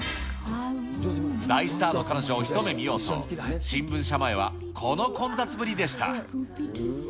大スターの彼女を一目見ようと、新聞社前はこの混雑ぶりでした。